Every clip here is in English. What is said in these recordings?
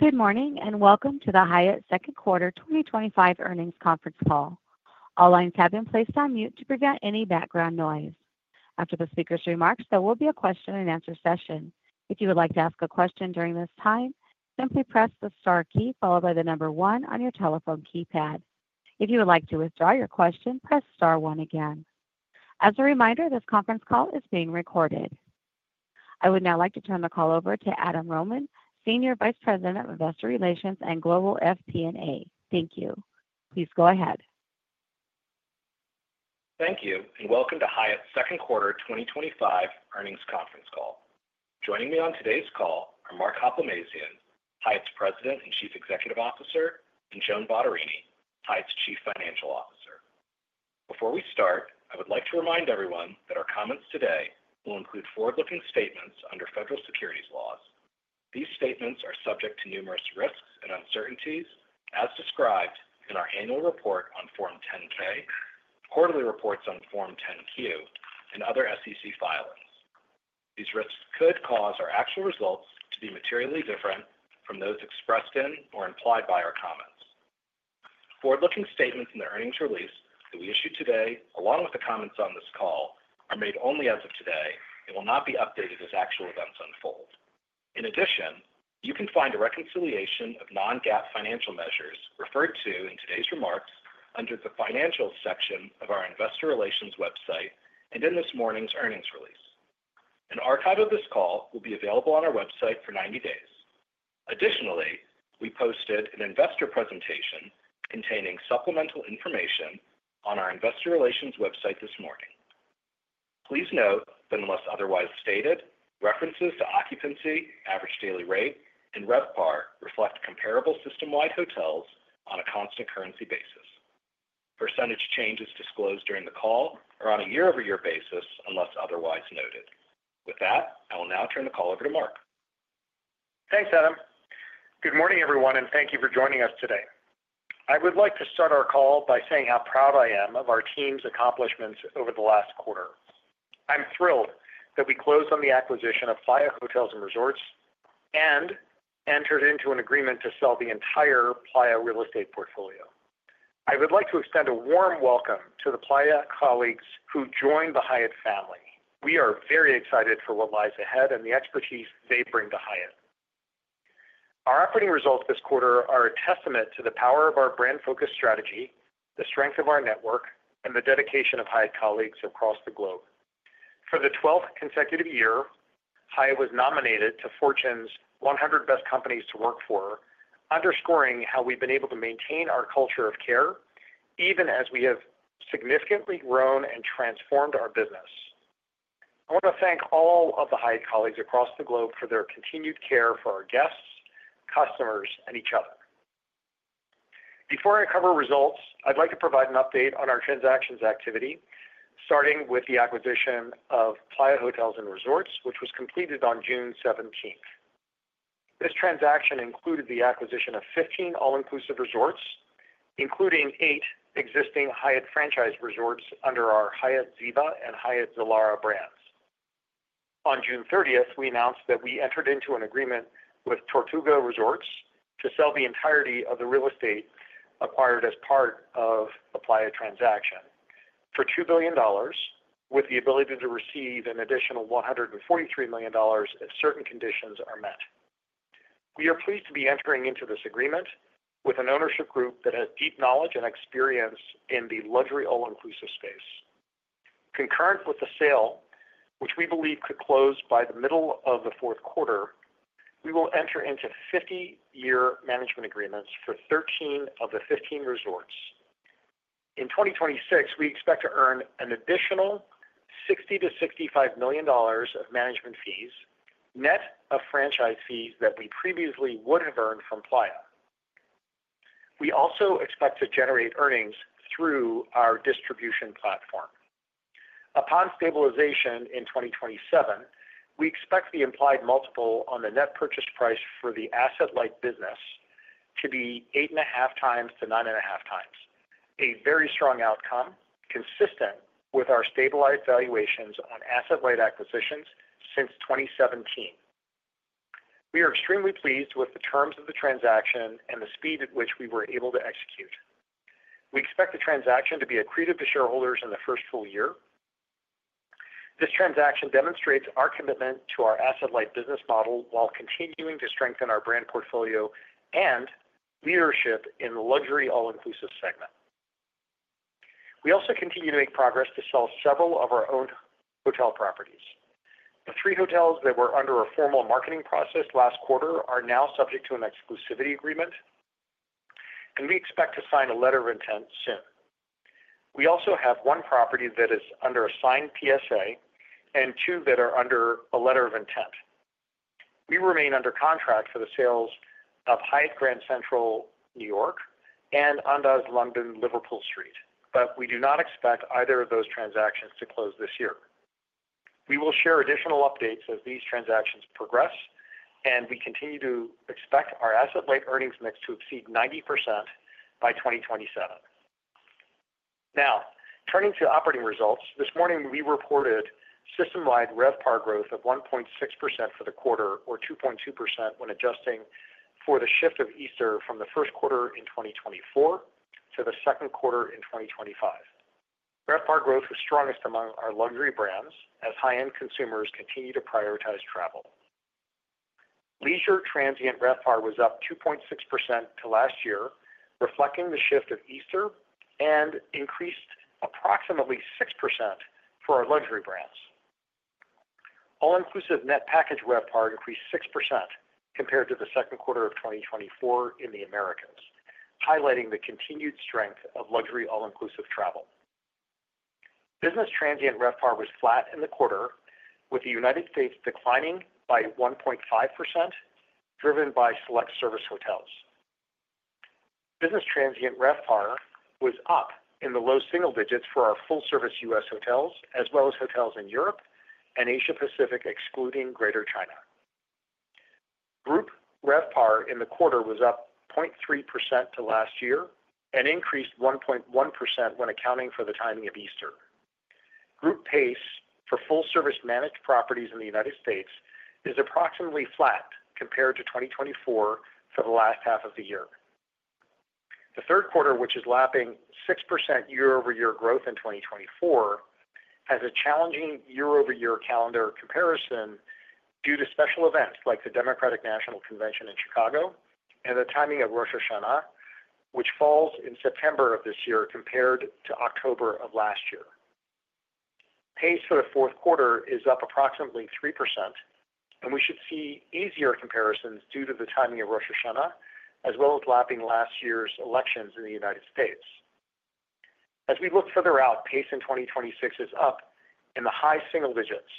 Good morning and welcome to the Hyatt second quarter 2025 earnings conference call. All lines have been placed on mute to prevent any background noise. After the speaker's remarks, there will be a question and answer session. If you would like to ask a question during this time, simply press the star key followed by the number one on your telephone keypad. If you would like to withdraw your question, press star one again. As a reminder, this conference call is being recorded. I would now like to turn the call over to Adam Rohman, Senior Vice President of Investor Relations and Global FP&A. Thank you. Please go ahead. Thank you and welcome to Hyatt's second quarter 2025 earnings conference call. Joining me on today's call are Mark Hoplamazian, Hyatt's President and Chief Executive Officer, and Joan Bottarini, Hyatt's Chief Financial Officer. Before we start, I would like to remind everyone that our comments today will include forward-looking statements under federal securities laws. These statements are subject to numerous risks and uncertainties, as described in our annual report on Form 10-K, quarterly reports on Form 10-Q, and other SEC filings. These risks could cause our actual results to be materially different from those expressed in or implied by our comments. Forward-looking statements in the earnings release that we issue today, along with the comments on this call, are made only as of today and will not be updated as actual events unfold. In addition, you can find a reconciliation of non-GAAP financial measures referred to in today's remarks under the financials section of our investor relations website and in this morning's earnings release. An archive of this call will be available on our website for 90 days. Additionally, we posted an investor presentation containing supplemental information on our investor relations website this morning. Please note that unless otherwise stated, references to occupancy, average daily rate, and RevPAR reflect comparable system-wide hotels on a constant currency basis. Percentage changes disclosed during the call are on a year-over-year basis unless otherwise noted. With that, I will now turn the call over to Mark. Thanks, Adam. Good morning everyone, and thank you for joining us today. I would like to start our call by saying how proud I am of our team's accomplishments over the last quarter. I'm thrilled that we closed on the acquisition of Playa Hotels & Resorts and entered into an agreement to sell the entire Playa real estate portfolio. I would like to extend a warm welcome to the Playa colleagues who joined the Hyatt family. We are very excited for what lies ahead and the expertise they bring to Hyatt. Our operating results this quarter are a testament to the power of our brand-focused strategy, the strength of our network, and the dedication of Hyatt colleagues across the globe. For the 12th consecutive year, Hyatt was nominated to Fortune's 100 Best Companies to Work For, underscoring how we've been able to maintain our culture of care, even as we have significantly grown and transformed our business. I want to thank all of the Hyatt colleagues across the globe for their continued care for our guests, customers, and each other. Before I cover results, I'd like to provide an update on our transactions activity, starting with the acquisition of Playa Hotels & Resorts, which was completed on June 17, 2024. This transaction included the acquisition of 15 all-inclusive resorts, including eight existing Hyatt franchise resorts under our Hyatt Ziva and Hyatt Zilara brands. On June 30, 2024, we announced that we entered into an agreement with Tortuga Resorts to sell the entirety of the real estate acquired as part of the Playa transaction for $2 billion, with the ability to receive an additional $143 million if certain conditions are met. We are pleased to be entering into this agreement with an ownership group that has deep knowledge and experience in the luxury all-inclusive space. Concurrent with the sale, which we believe could close by the middle of the fourth quarter, we will enter into 50-year management agreements for 13 of the 15 resorts. In 2026, we expect to earn an additional $60 to $65 million of management fees, net of franchise fees that we previously would have earned from Playa. We also expect to generate earnings through our distribution platform. Upon stabilization in 2027, we expect the implied multiple on the net purchase price for the asset-light business to be 8.5 times to 9.5 times. A very strong outcome, consistent with our stabilized valuations on asset-light acquisitions since 2017. We are extremely pleased with the terms of the transaction and the speed at which we were able to execute. We expect the transaction to be accretive to shareholders in the first full year. This transaction demonstrates our commitment to our asset-light business model while continuing to strengthen our brand portfolio and leadership in the luxury all-inclusive segment. We also continue to make progress to sell several of our own hotel properties. The three hotels that were under a formal marketing process last quarter are now subject to an exclusivity agreement, and we expect to sign a letter of intent soon. We also have one property that is under a signed PSA and two that are under a letter of intent. We remain under contract for the sales of Hyatt Grand Central, New York, and Andaz London, Liverpool Street, but we do not expect either of those transactions to close this year. We will share additional updates as these transactions progress, and we continue to expect our asset-light earnings mix to exceed 90% by 2027. Now, turning to operating results, this morning we reported system-wide RevPAR growth of 1.6% for the quarter or 2.2% when adjusting for the shift of Easter from the first quarter in 2024 to the second quarter in 2025. RevPAR growth was strongest among our luxury brands as high-end consumers continue to prioritize travel. Leisure transient RevPAR was up 2.6% to last year, reflecting the shift of Easter and increased approximately 6% for our luxury brands. All-inclusive Net Package RevPAR increased 6% compared to the second quarter of 2024 in the Americas, highlighting the continued strength of luxury all-inclusive travel. Business transient RevPAR was flat in the quarter, with the U.S. declining by 1.5%, driven by select service hotels. Business transient RevPAR was up in the low single digits for our full-service U.S. hotels, as well as hotels in Europe and Asia-Pacific, excluding Greater China. Group RevPAR in the quarter was up 0.3% to last year and increased 1.1% when accounting for the timing of Easter. Group pace for full-service managed properties in the U.S. is approximately flat compared to 2024 for the last half of the year. The third quarter, which is lapping 6% year-over-year growth in 2024, has a challenging year-over-year calendar comparison due to special events like the Democratic National Convention in Chicago and the timing of Rosh Hashanah, which falls in September of this year compared to October of last year. Pace for the fourth quarter is up approximately 3%, and we should see easier comparisons due to the timing of Rosh Hashanah, as well as lapping last year's elections in the U.S. As we look further out, pace in 2026 is up in the high single digits,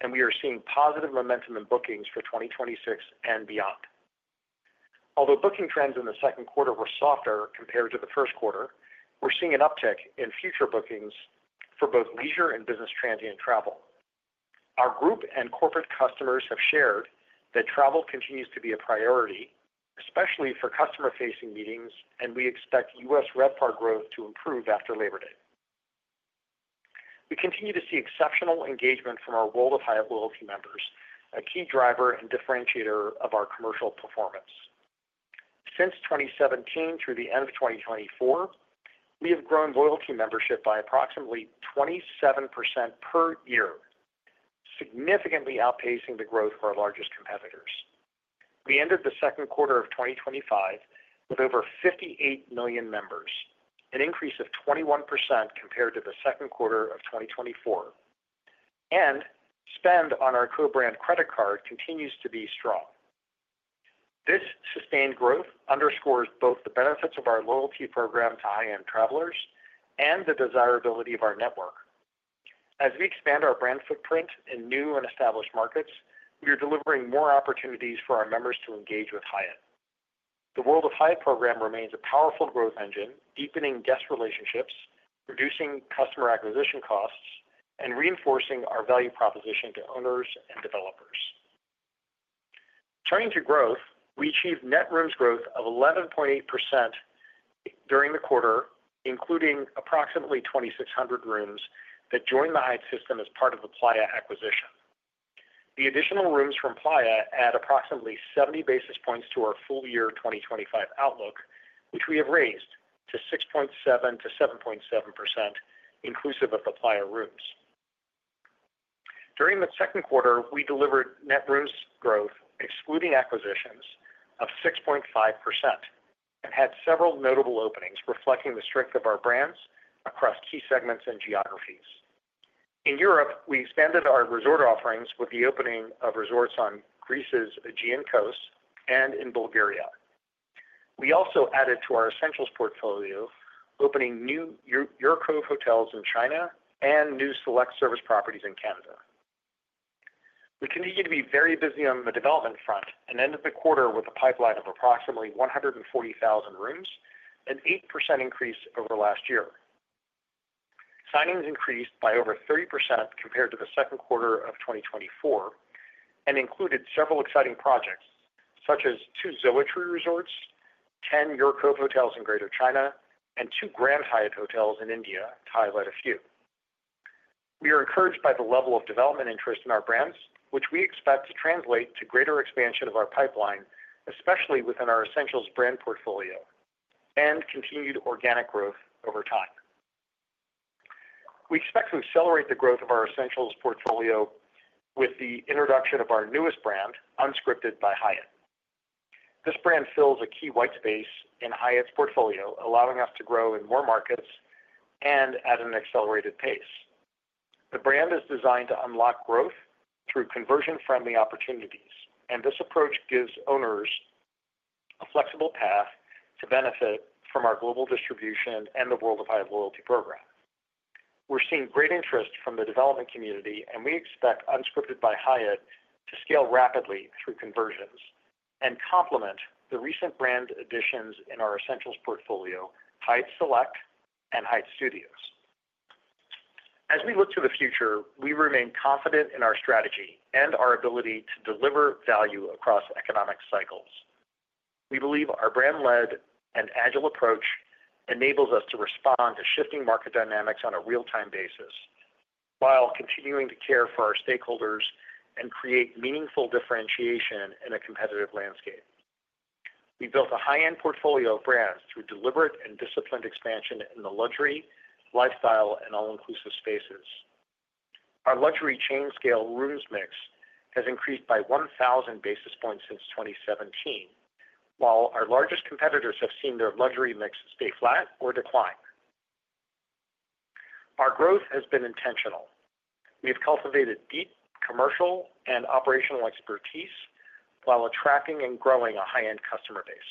and we are seeing positive momentum in bookings for 2026 and beyond. Although booking trends in the second quarter were softer compared to the first quarter, we're seeing an uptick in future bookings for both leisure and business transient travel. Our group and corporate customers have shared that travel continues to be a priority, especially for customer-facing meetings, and we expect U.S. RevPAR growth to improve after Labor Day. We continue to see exceptional engagement from our World of Hyatt loyalty members, a key driver and differentiator of our commercial performance. Since 2017 through the end of 2024, we have grown loyalty membership by approximately 27% per year, significantly outpacing the growth of our largest competitors. We ended the second quarter of 2025 with over 58 million members, an increase of 21% compared to the second quarter of 2024, and spend on our co-brand credit card continues to be strong. This sustained growth underscores both the benefits of our loyalty program to high-end travelers and the desirability of our network. As we expand our brand footprint in new and established markets, we are delivering more opportunities for our members to engage with Hyatt. The World of Hyatt program remains a powerful growth engine, deepening guest relationships, reducing customer acquisition costs, and reinforcing our value proposition to owners and developers. Turning to growth, we achieved net rooms growth of 11.8% during the quarter, including approximately 2,600 rooms that joined the Hyatt system as part of the Playa acquisition. The additional rooms from Playa add approximately 70 basis points to our full-year 2025 outlook, which we have raised to 6.7%-7.7%, inclusive of the Playa rooms. During the second quarter, we delivered net rooms growth, excluding acquisitions, of 6.5% and had several notable openings, reflecting the strength of our brands across key segments and geographies. In Europe, we expanded our resort offerings with the opening of resorts on Greece's Aegean coast and in Bulgaria. We also added to our essentials portfolio, opening new Hyatt House hotels in China and new select service properties in Canada. We continue to be very busy on the development front and ended the quarter with a pipeline of approximately 140,000 rooms, an 8% increase over the last year. Signings increased by over 30% compared to the second quarter of 2024 and included several exciting projects, such as two Hyatt Zilara Resorts, 10 Hyatt House hotels in Greater China, and two Grand Hyatt hotels in India to highlight a few. We are encouraged by the level of development interest in our brands, which we expect to translate to greater expansion of our pipeline, especially within our essentials brand portfolio, and continued organic growth over time. We expect to accelerate the growth of our essentials portfolio with the introduction of our newest brand, Unscripted by Hyatt. This brand fills a key white space in Hyatt's portfolio, allowing us to grow in more markets and at an accelerated pace. The brand is designed to unlock growth through conversion-friendly opportunities, and this approach gives owners a flexible path to benefit from our global distribution and the World of Hyatt loyalty program. We're seeing great interest from the development community, and we expect Unscripted by Hyatt to scale rapidly through conversions and complement the recent brand additions in our essentials portfolio, Hyatt Select and Hyatt Studios. As we look to the future, we remain confident in our strategy and our ability to deliver value across economic cycles. We believe our brand-led and agile approach enables us to respond to shifting market dynamics on a real-time basis while continuing to care for our stakeholders and create meaningful differentiation in a competitive landscape. We built a high-end portfolio of brands through deliberate and disciplined expansion in the luxury, lifestyle, and all-inclusive spaces. Our luxury chain-scale rooms mix has increased by 1,000 basis points since 2017, while our largest competitors have seen their luxury mix stay flat or decline. Our growth has been intentional. We have cultivated deep commercial and operational expertise while attracting and growing a high-end customer base.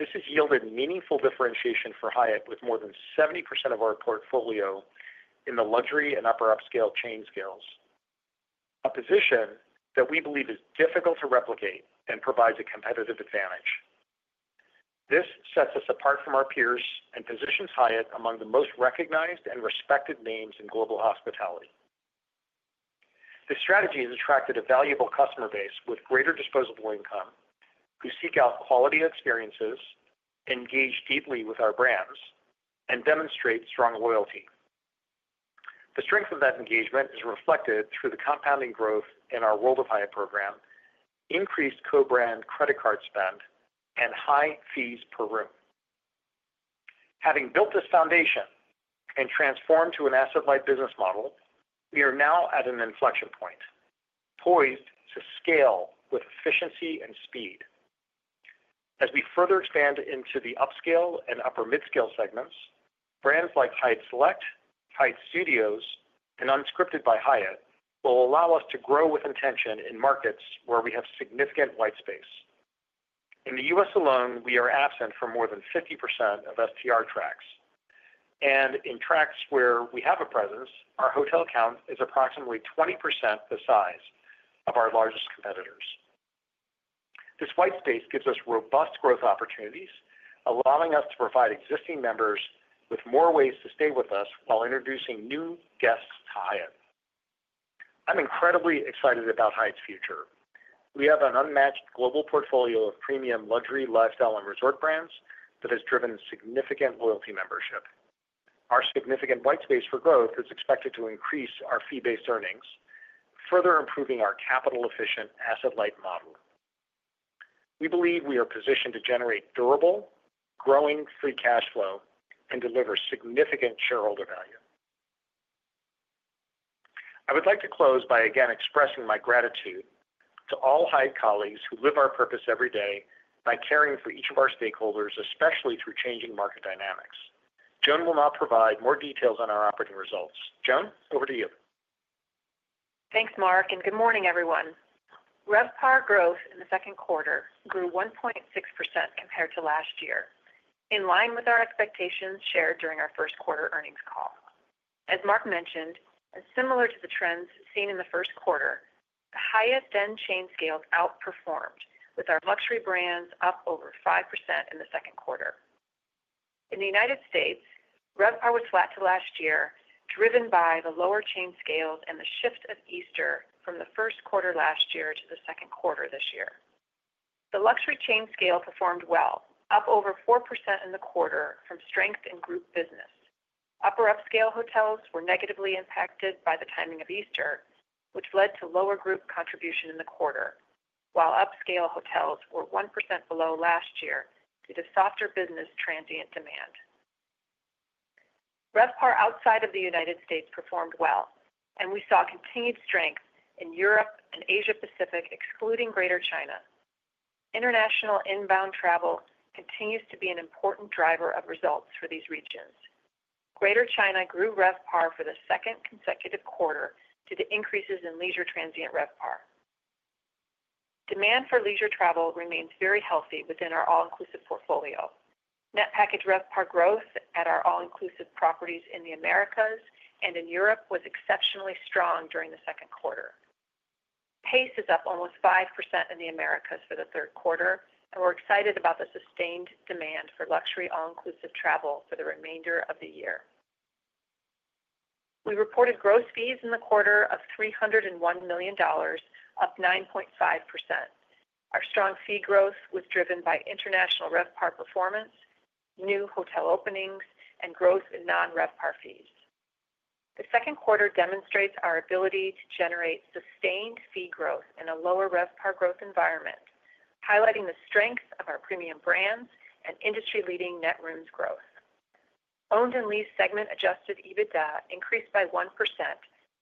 This has yielded meaningful differentiation for Hyatt with more than 70% of our portfolio in the luxury and upper-upscale chain scales, a position that we believe is difficult to replicate and provides a competitive advantage. This sets us apart from our peers and positions Hyatt among the most recognized and respected names in global hospitality. This strategy has attracted a valuable customer base with greater disposable income who seek out quality experiences, engage deeply with our brands, and demonstrate strong loyalty. The strength of that engagement is reflected through the compounding growth in our World of Hyatt program, increased co-brand credit card spend, and high fees per room. Having built this foundation and transformed to an asset-light business model, we are now at an inflection point, poised to scale with efficiency and speed. As we further expand into the upscale and upper-mid-scale segments, brands like Hyatt Select, Hyatt Studios, and Unscripted by Hyatt will allow us to grow with intention in markets where we have significant white space. In the U.S. alone, we are absent from more than 50% of STR tracks, and in tracks where we have a presence, our hotel count is approximately 20% the size of our largest competitors. This white space gives us robust growth opportunities, allowing us to provide existing members with more ways to stay with us while introducing new guests to Hyatt. I'm incredibly excited about Hyatt's future. We have an unmatched global portfolio of premium luxury, lifestyle, and resort brands that has driven significant loyalty membership. Our significant white space for growth is expected to increase our fee-based earnings, further improving our capital-efficient asset-light model. We believe we are positioned to generate durable, growing free cash flow and deliver significant shareholder value. I would like to close by again expressing my gratitude to all Hyatt colleagues who live our purpose every day by caring for each of our stakeholders, especially through changing market dynamics. Joan will now provide more details on our operating results. Joan, over to you. Thanks, Mark, and good morning everyone. RevPAR growth in the second quarter grew 1.6% compared to last year, in line with our expectations shared during our first quarter earnings call. As Mark mentioned, and similar to the trends seen in the first quarter, the highest-end chain scales outperformed, with our luxury brands up over 5% in the second quarter. In the U.S., RevPAR was flat to last year, driven by the lower chain scales and the shift of Easter from the first quarter last year to the second quarter this year. The luxury chain scale performed well, up over 4% in the quarter from strength in group business. Upper-upscale hotels were negatively impacted by the timing of Easter, which led to lower group contribution in the quarter, while upscale hotels were 1% below last year due to softer business transient demand. RevPAR outside of the U.S. performed well, and we saw continued strength in Europe and Asia-Pacific, excluding Greater China. International inbound travel continues to be an important driver of results for these regions. Greater China grew RevPAR for the second consecutive quarter due to increases in leisure transient RevPAR. Demand for leisure travel remains very healthy within our all-inclusive portfolio. Net Package RevPAR growth at our all-inclusive properties in the Americas and in Europe was exceptionally strong during the second quarter. Pace is up almost 5% in the Americas for the third quarter, and we're excited about the sustained demand for luxury all-inclusive travel for the remainder of the year. We reported gross fees in the quarter of $301 million, up 9.5%. Our strong fee growth was driven by international RevPAR performance, new hotel openings, and growth in non-RevPAR fees. The second quarter demonstrates our ability to generate sustained fee growth in a lower RevPAR growth environment, highlighting the strength of our premium brands and industry-leading net rooms growth. Owned and leased segment-adjusted EBITDA increased by 1%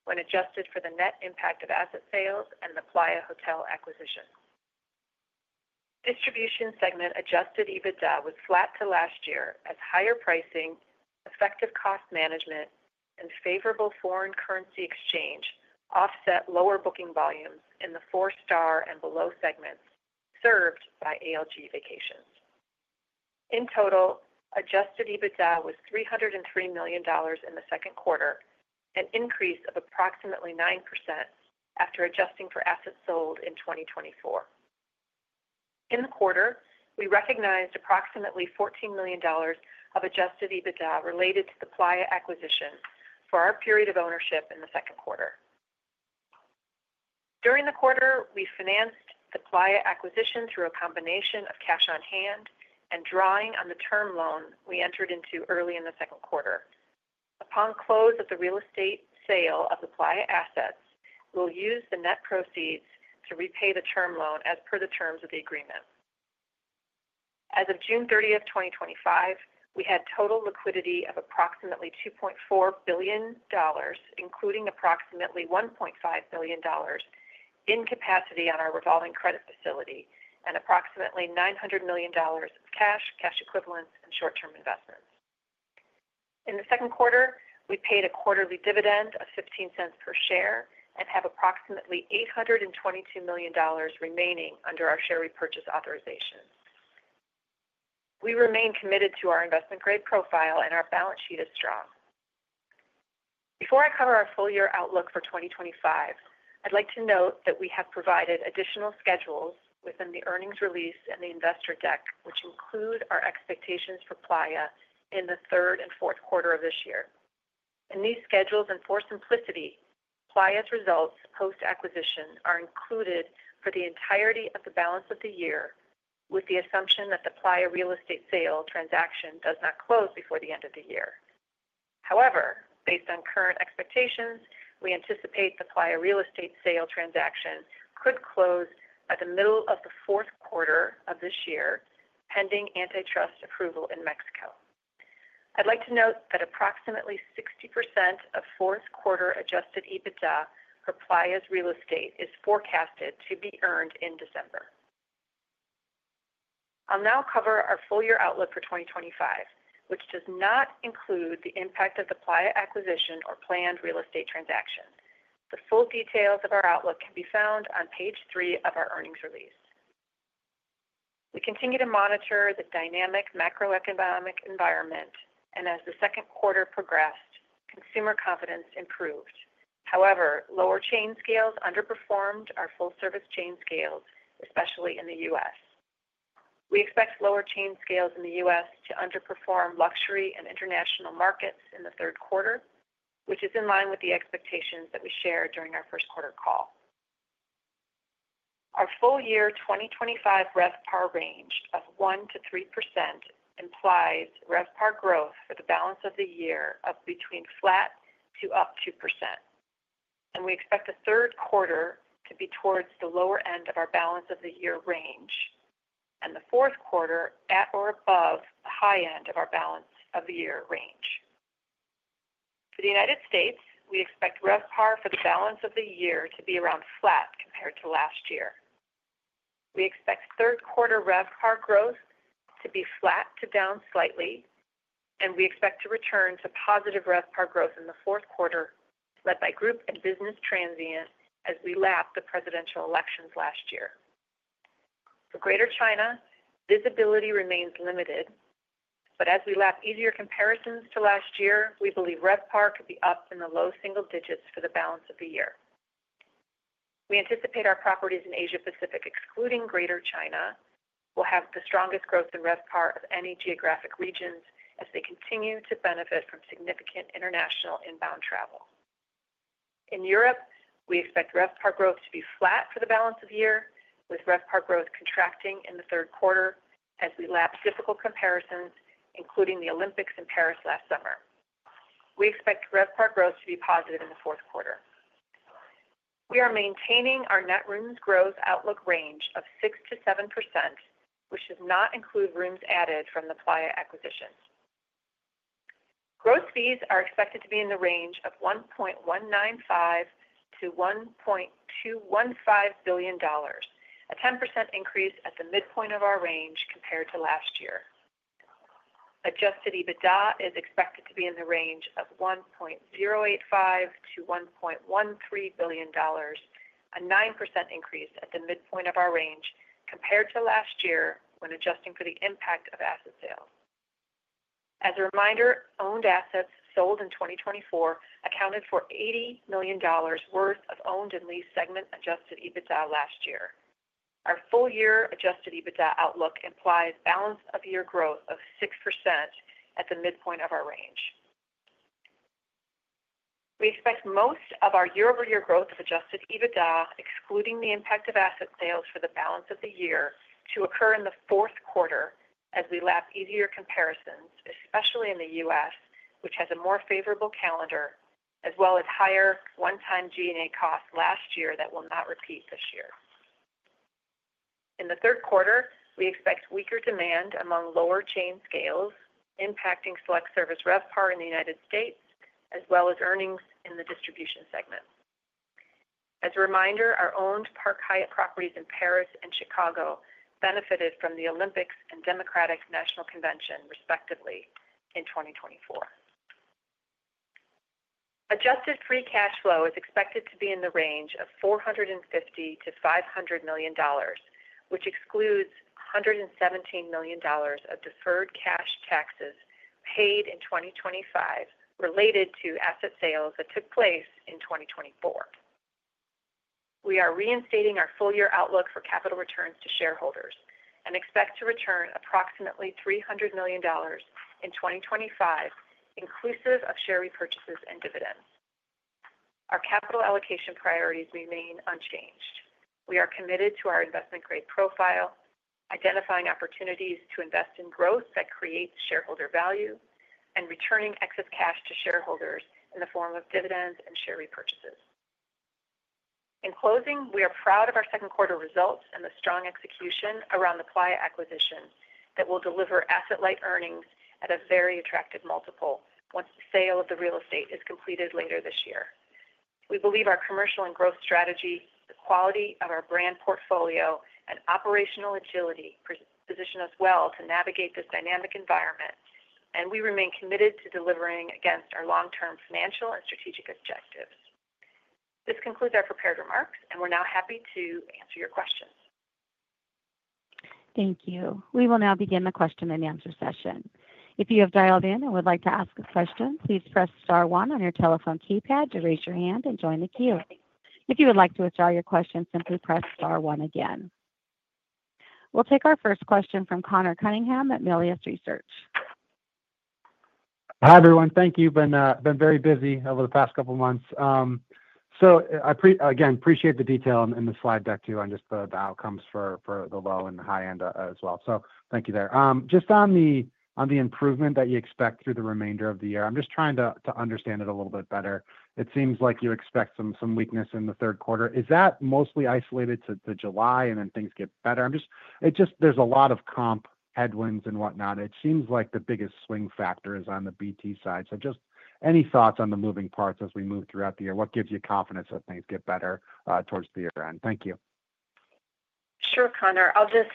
when adjusted for the net impact of asset sales and the Playa Hotels & Resorts acquisition. Distribution segment-adjusted EBITDA was flat to last year as higher pricing, effective cost management, and favorable foreign currency exchange offset lower booking volumes in the four-star and below segments served by ALG Vacations. In total, adjusted EBITDA was $303 million in the second quarter, an increase of approximately 9% after adjusting for assets sold in 2024. In the quarter, we recognized approximately $14 million of adjusted EBITDA related to the Playa acquisition for our period of ownership in the second quarter. During the quarter, we financed the Playa acquisition through a combination of cash on hand and drawing on the term loan we entered into early in the second quarter. Upon close of the real estate sale of the Playa assets, we'll use the net proceeds to repay the term loan as per the terms of the agreement. As of June 30, 2025, we had total liquidity of approximately $2.4 billion, including approximately $1.5 billion in capacity on our revolving credit facility and approximately $900 million of cash, cash equivalents, and short-term investments. In the second quarter, we paid a quarterly dividend of $0.15 per share and have approximately $822 million remaining under our share repurchase authorization. We remain committed to our investment-grade profile and our balance sheet is strong. Before I cover our full-year outlook for 2025, I'd like to note that we have provided additional schedules within the earnings release and the investor deck, which include our expectations for Playa in the third and fourth quarter of this year. In these schedules, and for simplicity, Playa's results post-acquisition are included for the entirety of the balance of the year, with the assumption that the Playa real estate sale transaction does not close before the end of the year. However, based on current expectations, we anticipate the Playa real estate sale transaction could close at the middle of the fourth quarter of this year, pending antitrust approval in Mexico. I'd like to note that approximately 60% of fourth-quarter adjusted EBITDA for Playa's real estate is forecasted to be earned in December. I'll now cover our full-year outlook for 2025, which does not include the impact of the Playa acquisition or planned real estate transaction. The full details of our outlook can be found on page three of our earnings release. We continue to monitor the dynamic macroeconomic environment, and as the second quarter progressed, consumer confidence improved. However, lower chain scales underperformed our full-service chain scales, especially in the U.S. We expect lower chain scales in the U.S. to underperform luxury and international markets in the third quarter, which is in line with the expectations that we shared during our first quarter call. Our full-year 2025 RevPAR range of 1%-3% implies RevPAR growth for the balance of the year of between flat to up 2%, and we expect the third quarter to be towards the lower end of our balance of the year range and the fourth quarter at or above the high end of our balance of the year range. For the United States, we expect RevPAR for the balance of the year to be around flat compared to last year. We expect third-quarter RevPAR growth to be flat to down slightly, and we expect to return to positive RevPAR growth in the fourth quarter, led by group and business transient as we lapped the presidential elections last year. For Greater China, visibility remains limited, but as we lapped easier comparisons to last year, we believe RevPAR could be up in the low single digits for the balance of the year. We anticipate our properties in Asia-Pacific, excluding Greater China, will have the strongest growth in RevPAR of any geographic regions as they continue to benefit from significant international inbound travel. In Europe, we expect RevPAR growth to be flat for the balance of the year, with RevPAR growth contracting in the third quarter as we lapped difficult comparisons, including the Olympics in Paris last summer. We expect RevPAR growth to be positive in the fourth quarter. We are maintaining our net rooms growth outlook range of 6%-7%, which does not include rooms added from the Playa acquisitions. Gross fees are expected to be in the range of $1.195-$1.215 billion, a 10% increase at the midpoint of our range compared to last year. Adjusted EBITDA is expected to be in the range of $1.085-$1.13 billion, a 9% increase at the midpoint of our range compared to last year when adjusting for the impact of asset sales. As a reminder, owned assets sold in 2024 accounted for $80 million worth of owned and leased segment adjusted EBITDA last year. Our full-year adjusted EBITDA outlook implies balance of year growth of 6% at the midpoint of our range. We expect most of our year-over-year growth of adjusted EBITDA, excluding the impact of asset sales for the balance of the year, to occur in the fourth quarter as we lapped easier comparisons, especially in the U.S., which has a more favorable calendar, as well as higher one-time G&A costs last year that will not repeat this year. In the third quarter, we expect weaker demand among lower chain scales, impacting select service RevPAR in the U.S., as well as earnings in the distribution segment. As a reminder, our owned Park Hyatt properties in Paris and Chicago benefited from the Olympics and Democratic National Convention, respectively, in 2024. Adjusted free cash flow is expected to be in the range of $450 to $500 million, which excludes $117 million of deferred cash taxes paid in 2025 related to asset sales that took place in 2024. We are reinstating our full-year outlook for capital returns to shareholders and expect to return approximately $300 million in 2025, inclusive of share repurchases and dividends. Our capital allocation priorities remain unchanged. We are committed to our investment-grade profile, identifying opportunities to invest in growth that creates shareholder value and returning excess cash to shareholders in the form of dividends and share repurchases. In closing, we are proud of our second quarter results and the strong execution around the Playa acquisition that will deliver asset-light earnings at a very attractive multiple once the sale of the real estate is completed later this year. We believe our commercial and growth strategy, the quality of our brand portfolio, and operational agility position us well to navigate this dynamic environment, and we remain committed to delivering against our long-term financial and strategic objectives. This concludes our prepared remarks, and we're now happy to answer your questions. Thank you. We will now begin the question and answer session. If you have dialed in and would like to ask a question, please press star one on your telephone keypad to raise your hand and join the queue. If you would like to withdraw your question, simply press star one again. We'll take our first question from Conor Cunningham at Melius Research. Hi, everyone. Thank you. I've been very busy over the past couple of months. I again appreciate the detail in the slide deck too on just the outcomes for the low and the high end as well. Thank you there. Just on the improvement that you expect through the remainder of the year, I'm just trying to understand it a little bit better. It seems like you expect some weakness in the third quarter. Is that mostly isolated to July and then things get better? There's a lot of comp headwinds and whatnot. It seems like the biggest swing factor is on the BT side. Any thoughts on the moving parts as we move throughout the year? What gives you confidence that things get better towards the year end? Thank you. Sure, Conor. I'll just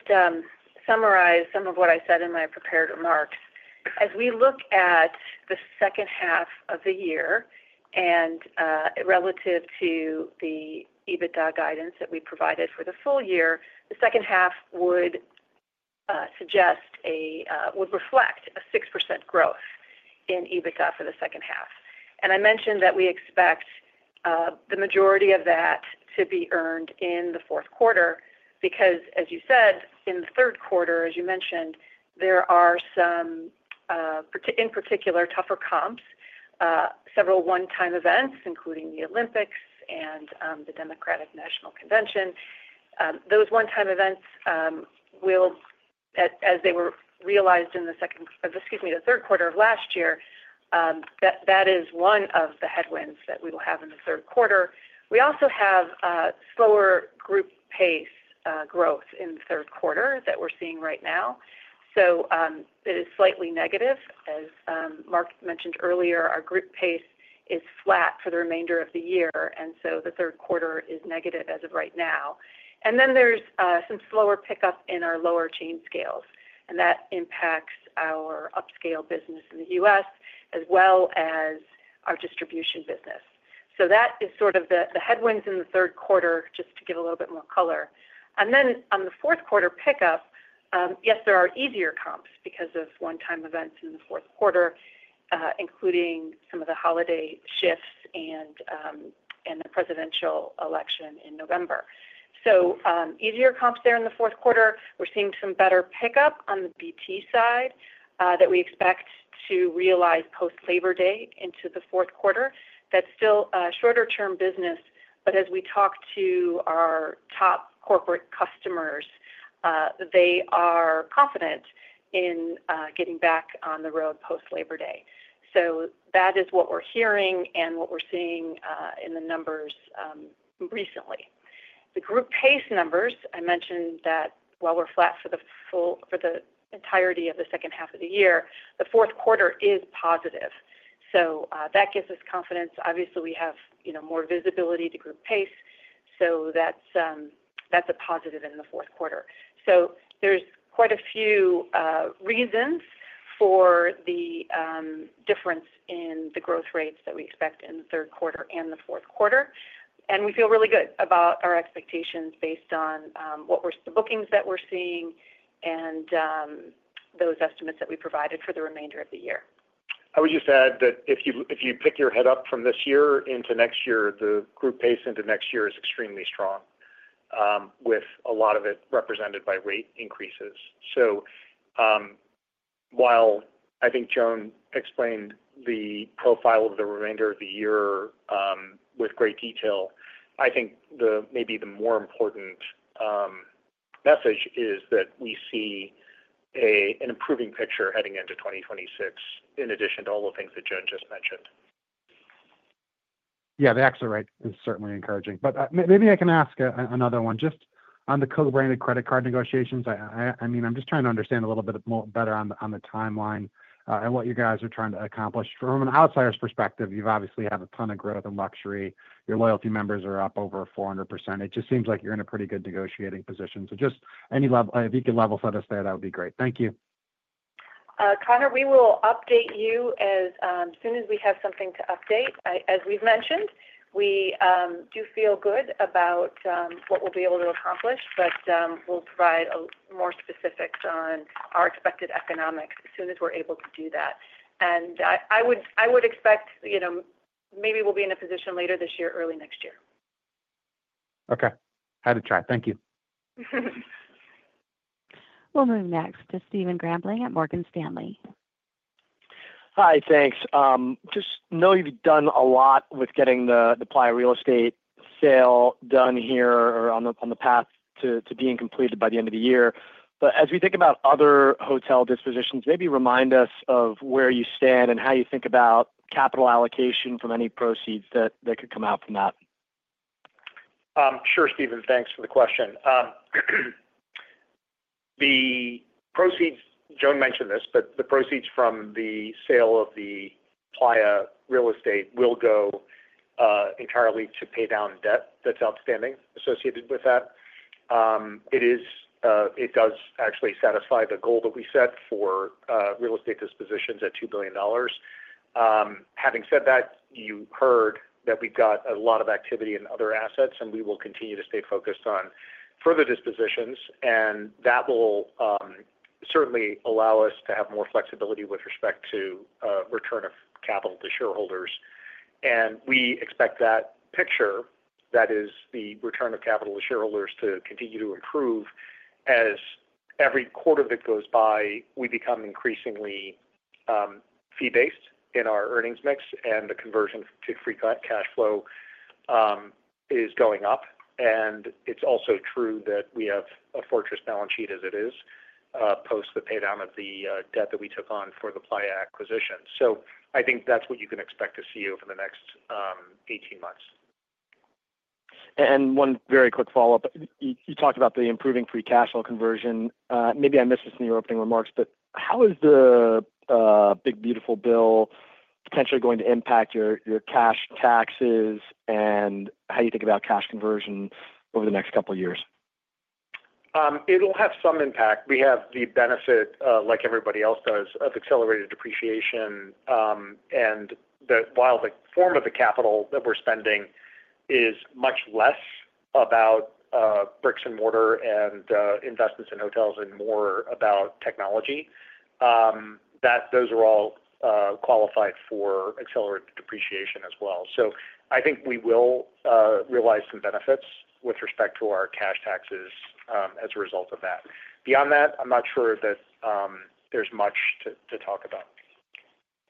summarize some of what I said in my prepared remarks. As we look at the second half of the year and relative to the EBITDA guidance that we provided for the full year, the second half would reflect a 6% growth in EBITDA for the second half. I mentioned that we expect the majority of that to be earned in the fourth quarter because, as you said, in the third quarter, as you mentioned, there are some, in particular, tougher comps, several one-time events, including the Olympics and the Democratic National Convention. Those one-time events will, as they were realized in the third quarter of last year, that is one of the headwinds that we will have in the third quarter. We also have slower group pace growth in the third quarter that we're seeing right now. It is slightly negative. As Mark mentioned earlier, our group pace is flat for the remainder of the year, and the third quarter is negative as of right now. There is some slower pickup in our lower chain scales, and that impacts our upscale business in the U.S. as well as our distribution business. That is sort of the headwinds in the third quarter, just to give a little bit more color. On the fourth quarter pickup, yes, there are easier comps because of one-time events in the fourth quarter, including some of the holiday shifts and the presidential election in November. Easier comps there in the fourth quarter. We're seeing some better pickup on the BT side that we expect to realize post-Labor Day into the fourth quarter. That's still a shorter-term business, but as we talk to our top corporate customers, they are confident in getting back on the road post-Labor Day. That is what we're hearing and what we're seeing in the numbers recently. The group pace numbers, I mentioned that while we're flat for the entirety of the second half of the year, the fourth quarter is positive. That gives us confidence. Obviously, we have more visibility to group pace, so that's a positive in the fourth quarter. There are quite a few reasons for the difference in the growth rates that we expect in the third quarter and the fourth quarter, and we feel really good about our expectations based on what bookings that we're seeing and those estimates that we provided for the remainder of the year. I would just add that if you pick your head up from this year into next year, the group pace into next year is extremely strong, with a lot of it represented by rate increases. While I think Joan explained the profile of the remainder of the year with great detail, I think maybe the more important message is that we see an improving picture heading into 2026 in addition to all the things that Joan just mentioned. Yeah, the excellent rate is certainly encouraging. Maybe I can ask another one. Just on the co-brand credit card negotiations, I mean, I'm just trying to understand a little bit better on the timeline and what you guys are trying to accomplish. From an outsider's perspective, you've obviously had a ton of growth in luxury. Your loyalty members are up over 400%. It just seems like you're in a pretty good negotiating position. If you could level set us there, that would be great. Thank you. Conor, we will update you as soon as we have something to update. As we've mentioned, we do feel good about what we'll be able to accomplish. We'll provide more specifics on our expected economics as soon as we're able to do that. I would expect, you know, maybe we'll be in a position later this year, early next year. Okay. Thank you. We'll move next to Stephen Grambling at Morgan Stanley. Hi, thanks. Just know you've done a lot with getting the Playa real estate sale done here or on the path to being completed by the end of the year. As we think about other hotel dispositions, maybe remind us of where you stand and how you think about capital allocation from any proceeds that could come out from that. Sure, Stephen, thanks for the question. The proceeds, Joan mentioned this, but the proceeds from the sale of the Playa real estate will go entirely to pay down debt that's outstanding associated with that. It does actually satisfy the goal that we set for real estate dispositions at $2 billion. Having said that, you heard that we've got a lot of activity in other assets, and we will continue to stay focused on further dispositions, which will certainly allow us to have more flexibility with respect to return of capital to shareholders. We expect that picture, that is the return of capital to shareholders, to continue to improve as every quarter that goes by, we become increasingly fee-based in our earnings mix, and the conversion to free cash flow is going up. It is also true that we have a fortress balance sheet as it is post the pay down of the debt that we took on for the Playa acquisition. I think that's what you can expect to see over the next 18 months. One very quick follow-up. You talked about the improving free cash flow conversion. Maybe I missed this in your opening remarks, but how is the Big Beautiful Bill potentially going to impact your cash taxes and how you think about cash conversion over the next couple of years? It'll have some impact. We have the benefit, like everybody else does, of accelerated depreciation. While the form of the capital that we're spending is much less about bricks and mortar and investments in hotels and more about technology, those are all qualified for accelerated depreciation as well. I think we will realize some benefits with respect to our cash taxes as a result of that. Beyond that, I'm not sure that there's much to talk about.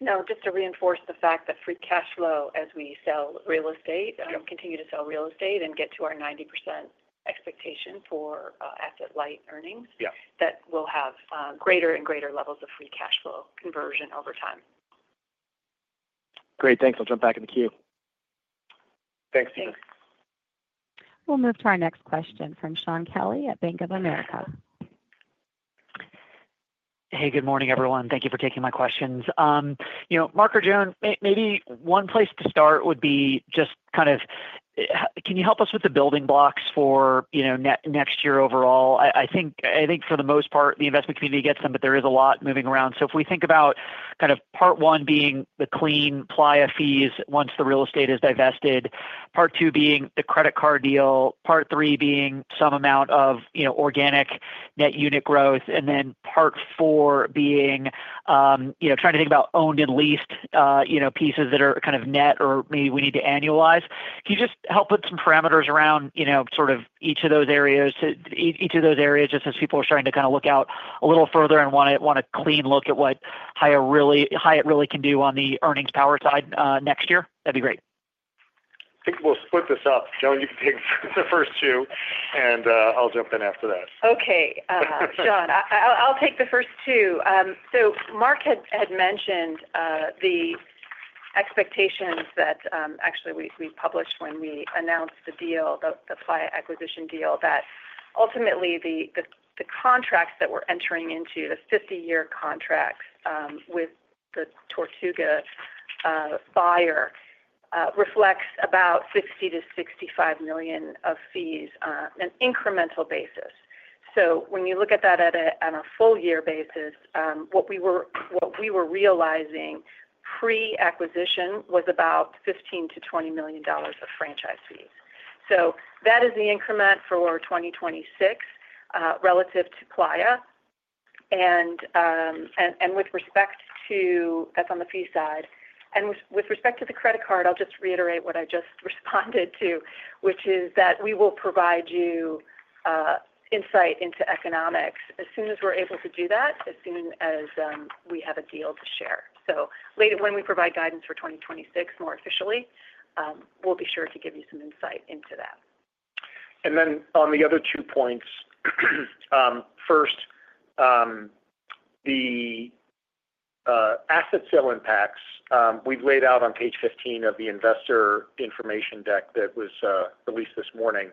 No, just to reinforce the fact that free cash flow, as we sell real estate, continue to sell real estate and get to our 90% expectation for asset-light earnings, that we'll have greater and greater levels of free cash flow conversion over time. Great. Thanks. I'll jump back in the queue. Thanks, Stephen. Thanks. will move to our next question from Shaun Kelley at Bank of America. Hey, good morning, everyone. Thank you for taking my questions. Mark or Joan, maybe one place to start would be just kind of, can you help us with the building blocks for next year overall? I think for the most part, the investment community gets them, but there is a lot moving around. If we think about part one being the clean Playa fees once the real estate is divested, part two being the credit card deal, part three being some amount of organic net unit growth, and then part four being trying to think about owned and leased pieces that are kind of net or maybe we need to annualize. Can you just help put some parameters around each of those areas just as people are starting to look out a little further and want a clean look at what Hyatt really can do on the earnings power side next year? That'd be great. I think we'll split this up. Joan, you can take the first two, and I'll jump in after that. Okay. Shaun, I'll take the first two. Mark had mentioned the expectations that actually we published when we announced the deal, the Playa acquisition deal, that ultimately the contracts that we're entering into, the 50-year contracts with the Tortuga buyer, reflect about $60 to $65 million of fees on an incremental basis. When you look at that at a full-year basis, what we were realizing pre-acquisition was about $15 to $20 million of franchise fees. That is the increment for 2026 relative to Playa. With respect to that's on the fee side. With respect to the credit card, I'll just reiterate what I just responded to, which is that we will provide you insight into economics as soon as we're able to do that, as soon as we have a deal to share. When we provide guidance for 2026 more officially, we'll be sure to give you some insight into that. On the other two points, first, the asset sale impacts, we've laid out on page 15 of the investor information deck that was released this morning,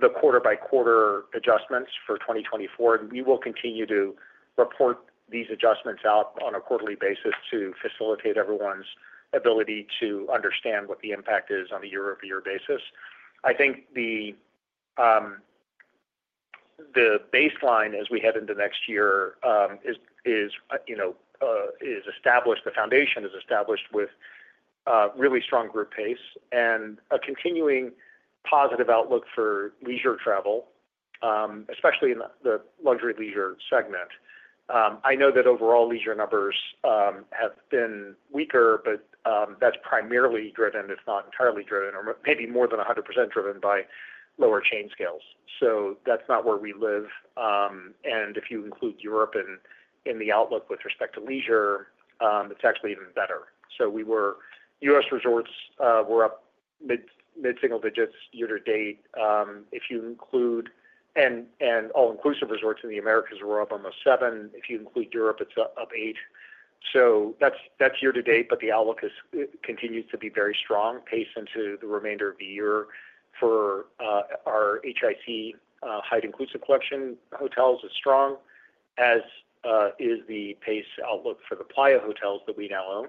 the quarter-by-quarter adjustments for 2024. We will continue to report these adjustments out on a quarterly basis to facilitate everyone's ability to understand what the impact is on a year-over-year basis. I think the baseline as we head into next year is established. The foundation is established with really strong group pace and a continuing positive outlook for leisure travel, especially in the luxury leisure segment. I know that overall leisure numbers have been weaker, but that's primarily driven, if not entirely driven, or maybe more than 100% driven by lower chain scales. That's not where we live. If you include Europe in the outlook with respect to leisure, it's actually even better. U.S. resorts were up mid-single digits year to date. If you include all-inclusive resorts in the Americas, we're up almost 7%. If you include Europe, it's up 8%. That's year to date, but the outlook continues to be very strong. Pace into the remainder of the year for our Hyatt Inclusive Collection hotels is strong as is the pace outlook for the Playa hotels that we now own.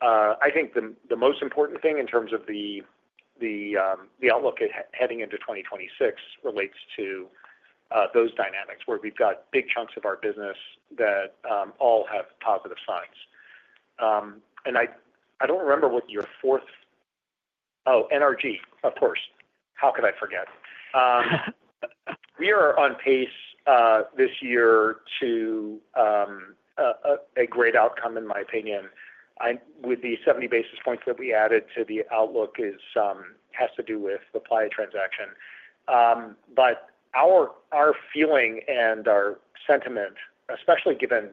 I think the most important thing in terms of the outlook heading into 2026 relates to those dynamics where we've got big chunks of our business that all have positive signs. I don't remember what your fourth, oh, NRG, of course. How could I forget? We are on pace this year to a great outcome, in my opinion. With the 70 basis points that we added to the outlook, it has to do with the Playa transaction. Our feeling and our sentiment, especially given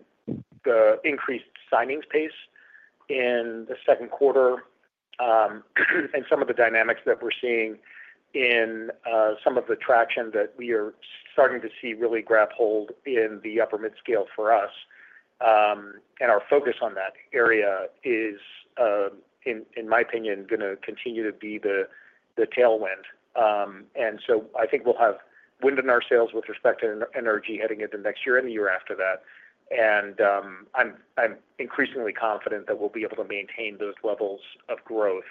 the increased signings pace in the second quarter and some of the dynamics that we're seeing in some of the traction that we are starting to see really grab hold in the upper-mid scale for us. Our focus on that area is, in my opinion, going to continue to be the tailwind. I think we'll have wind in our sails with respect to NRG heading into next year and the year after that. I'm increasingly confident that we'll be able to maintain those levels of growth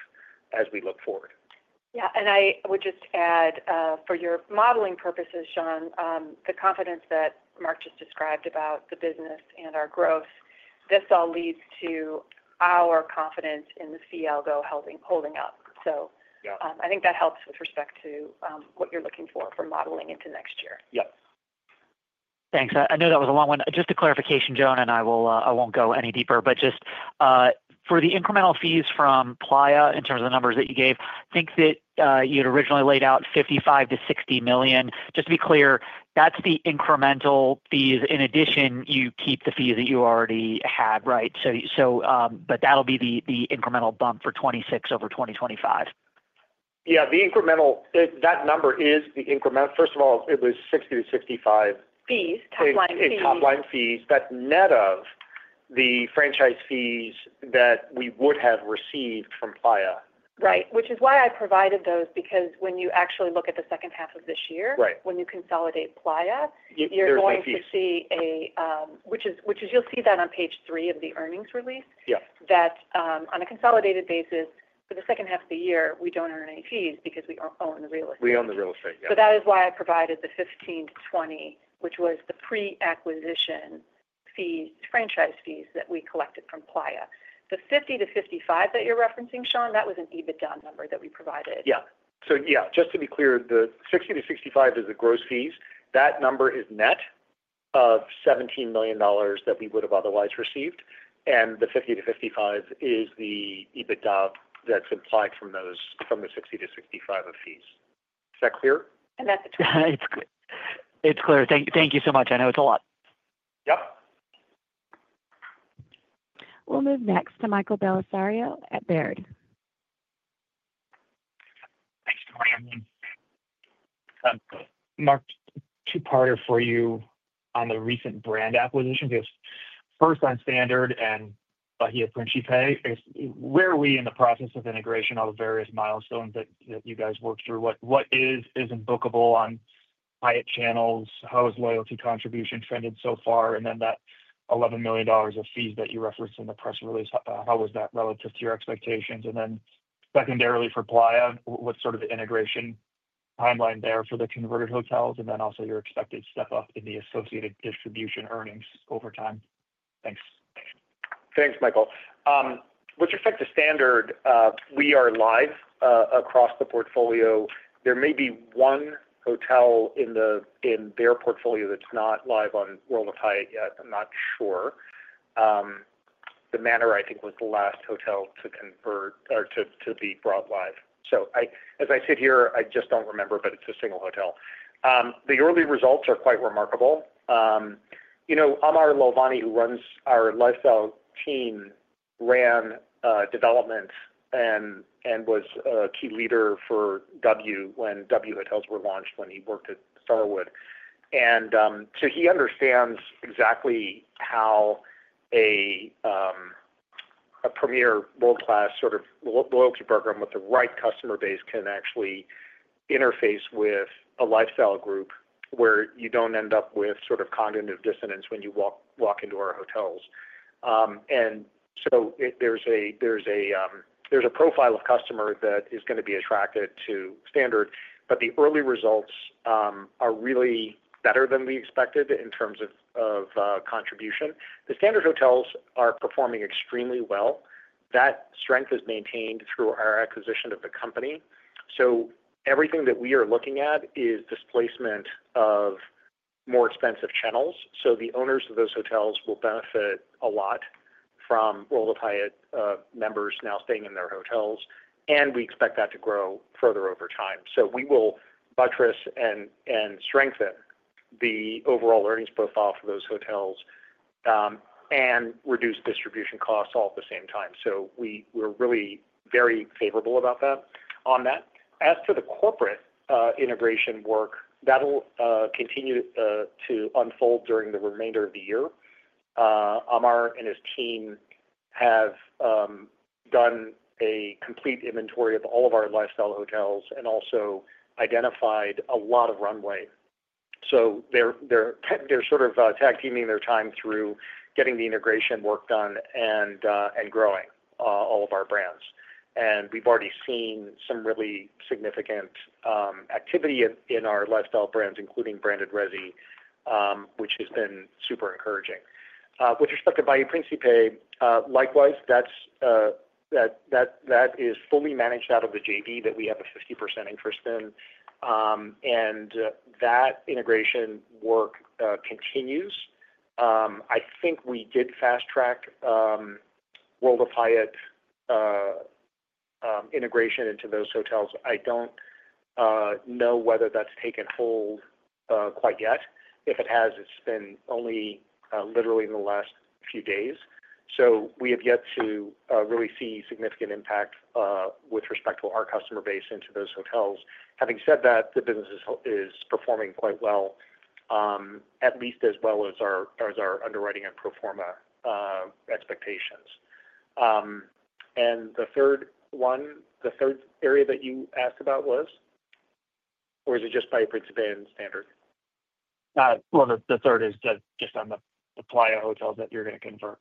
as we look forward. Yeah. I would just add, for your modeling purposes, Shaun, the confidence that Mark just described about the business and our growth, this all leads to our confidence in the CLGO holding up. I think that helps with respect to what you're looking for for modeling into next year. Thanks. I know that was a long one. Just a clarification, Joan, and I won't go any deeper, but just for the incremental fees from Playa in terms of the numbers that you gave, I think that you had originally laid out $55 to $60 million. Just to be clear, that's the incremental fees. In addition, you keep the fees that you already had, right? That'll be the incremental bump for 2026 over 2025. Yeah, the incremental, that number is the incremental. First of all, it was $60-$65. Fees, top line fees. Top line fees, that's net of the franchise fees that we would have received from Playa. Right. Which is why I provided those, because when you actually look at the second half of this year, when you consolidate Playa, you're going to see that on page three of the earnings release, that on a consolidated basis, for the second half of the year, we don't earn any fees because we own the real estate. We own the real estate. Yeah. That is why I provided the $15 to $20 million, which was the pre-acquisition franchise fees that we collected from Playa. The $50 to $55 million that you're referencing, Shaun, that was an EBITDA number that we provided. Yeah, just to be clear, the $60-$65 million is the gross fees. That number is net of $17 million that we would have otherwise received. The $50 to $55 million is the EBITDA that's implied from those, from the $60 to $65 million of fees. Is that clear? That's the 20%. It's clear. Thank you so much. I know it's a lot. Yep. We'll move next to Michael Bellisario at Baird. Thanks, Joan. Mark, two-parter for you on the recent brand acquisitions. First on Standard and Bahia Principe. Where are we in the process of integration of various milestones that you guys worked through? What is bookable on Hyatt channels? How has loyalty contribution trended so far? That $11 million of fees that you referenced in the press release, how was that relative to your expectations? Secondarily for Playa, what's the integration timeline there for the converted hotels? Also, your expected step up in the associated distribution earnings over time. Thanks. Thanks, Michael. With respect to Standard, we are live across the portfolio. There may be one hotel in their portfolio that's not live on World of Hyatt yet. I'm not sure. The Manor I think was the last hotel to convert or to be brought live. As I sit here, I just don't remember, but it's a single hotel. The early results are quite remarkable. Amar Lalvani, who runs our lifestyle team, ran developments and was a key leader for W when W Hotels were launched when he worked at Starwood. He understands exactly how a premier, world-class sort of loyalty program with the right customer base can actually interface with a lifestyle group where you don't end up with cognitive dissonance when you walk into our hotels. There's a profile of customer that is going to be attracted to Standard. The early results are really better than we expected in terms of contribution. The Standard hotels are performing extremely well. That strength is maintained through our acquisition of the company. Everything that we are looking at is displacement of more expensive channels. The owners of those hotels will benefit a lot from World of Hyatt members now staying in their hotels. We expect that to grow further over time. We will buttress and strengthen the overall earnings profile for those hotels and reduce distribution costs all at the same time. We are really very favorable about that. As for the corporate integration work, that'll continue to unfold during the remainder of the year. Amar and his team have done a complete inventory of all of our lifestyle hotels and also identified a lot of runway. They're sort of tag-teaming their time through getting the integration work done and growing all of our brands. We've already seen some really significant activity in our lifestyle brands, including BrandEx Realty, which has been super encouraging. With respect to Bahia Principe, likewise, that is fully managed out of the JV that we have a 50% interest in. That integration work continues. I think we did fast-track World of Hyatt integration into those hotels. I don't know whether that's taken hold quite yet. If it has, it's been only literally in the last few days. We have yet to really see significant impact with respect to our customer base into those hotels. Having said that, the business is performing quite well, at least as well as our underwriting and pro forma expectations. The third one, the third area that you asked about was, or is it just Bahia Principe and Standard? The third is just on the Playa hotel that you're going to convert.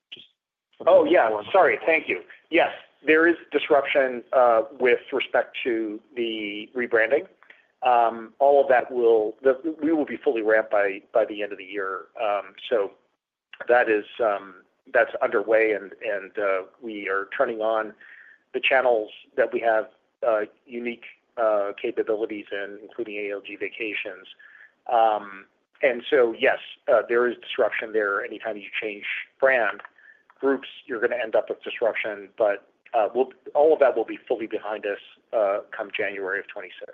Thank you. Yes, there is disruption with respect to the rebranding. All of that will be fully ramped by the end of the year. That is underway, and we are turning on the channels that we have unique capabilities in, including ALG Vacations. Yes, there is disruption there. Anytime you change brand groups, you're going to end up with disruption, but all of that will be fully behind us come January of 2026.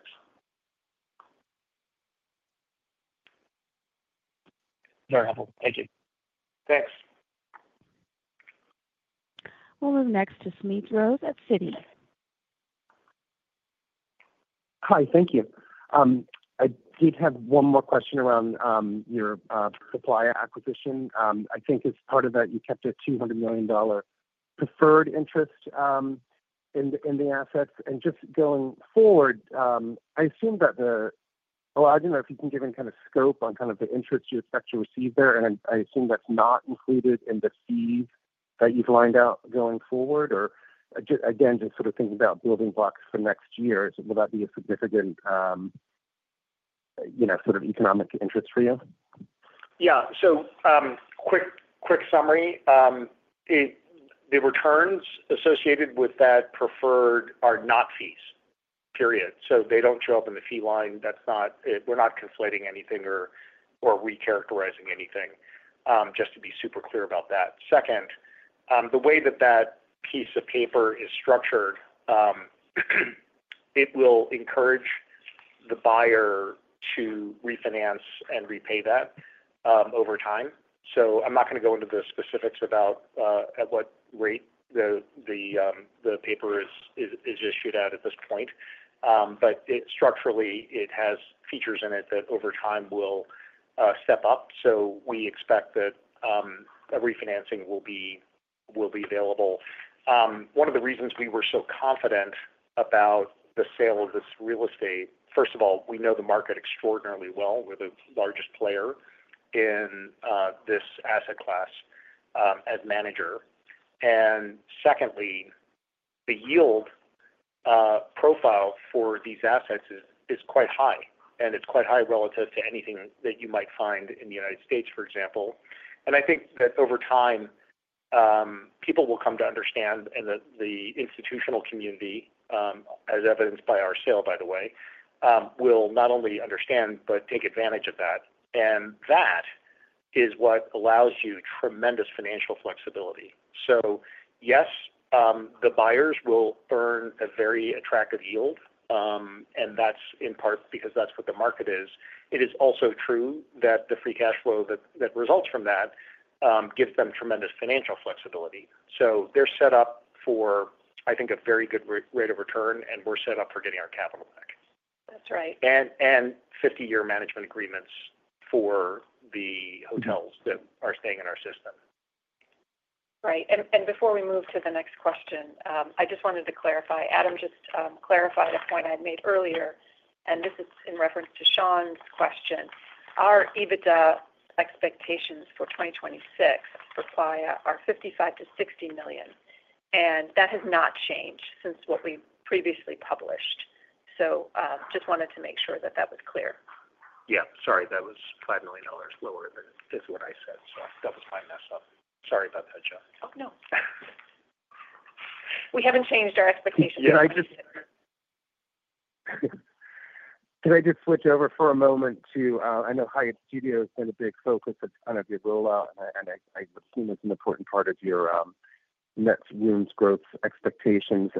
Very helpful. Thank you. Thanks. We'll move next to Smedes Rose of Citi. Hi. Thank you. I did have one more question around your supply acquisition. I think as part of that, you kept a $200 million preferred interest in the assets. Just going forward, I assume that the, I don't know if you can give any kind of scope on the interest you expect to receive there. I assume that's not included in the fees that you've lined out going forward. Just sort of thinking about building blocks for next year, would that be a significant, you know, sort of economic interest for you? Yeah. Quick summary, the returns associated with that preferred are not fees, period. They do not show up in the fee line. That is not it. We are not conflating anything or recharacterizing anything, just to be super clear about that. Second, the way that that piece of paper is structured, it will encourage the buyer to refinance and repay that over time. I am not going to go into the specifics about at what rate the paper is issued at at this point, but structurally, it has features in it that over time will step up. We expect that a refinancing will be available. One of the reasons we were so confident about the sale of this real estate, first of all, we know the market extraordinarily well. We are the largest player in this asset class as manager. The yield profile for these assets is quite high, and it is quite high relative to anything that you might find in the United States, for example. I think that over time, people will come to understand, and the institutional community, as evidenced by our sale, by the way, will not only understand but take advantage of that. That is what allows you tremendous financial flexibility. Yes, the buyers will earn a very attractive yield, and that is in part because that is what the market is. It is also true that the free cash flow that results from that gives them tremendous financial flexibility. They are set up for, I think, a very good rate of return, and we are set up for getting our capital back. That's right. Fifty-year management agreements for the hotels that are staying in our system. Right. Before we move to the next question, I just wanted to clarify. Adam Rohman just clarified a point I had made earlier, and this is in reference to Shaun's question. Our EBITDA expectations for 2026 for Playa Hotels & Resorts are $55 to $60 million, and that has not changed since what we previously published. I just wanted to make sure that was clear. Sorry. That was $5 million lower than what I said. That was my mess. Sorry about that, Joan. Oh, no. We haven't changed our expectations. Did I just switch over for a moment to I know Hyatt Studios has been a big focus of kind of your rollout, and I assume it's an important part of your net rooms growth expectations.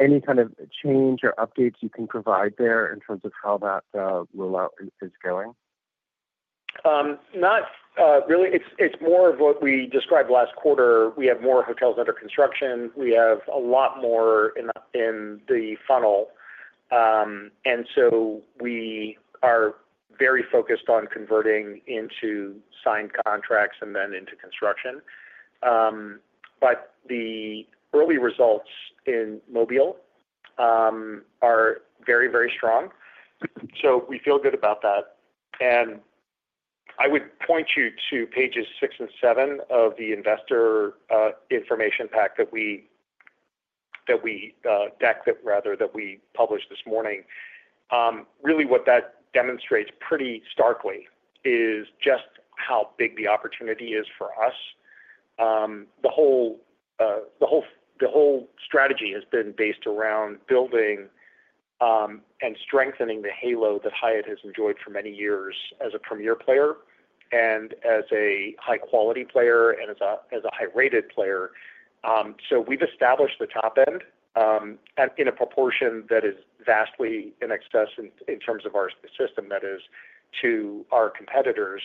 Any kind of change or updates you can provide there in terms of how that rollout is going? Not really. It's more of what we described last quarter. We have more hotels under construction. We have a lot more in the funnel, and we are very focused on converting into signed contracts and then into construction. The early results in Mobile are very, very strong. We feel good about that. I would point you to pages six and seven of the investor information pack, that deck that we published this morning. What that demonstrates pretty starkly is just how big the opportunity is for us. The whole strategy has been based around building and strengthening the halo that Hyatt has enjoyed for many years as a premier player and as a high-quality player and as a high-rated player. We've established the top end in a proportion that is vastly in excess in terms of our system, that is, to our competitors.